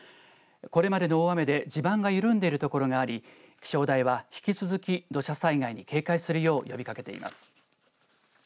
これまでの大雨で地盤が緩んでいる所があり気象台は引き続き土砂災害に警戒するよう呼びかけています。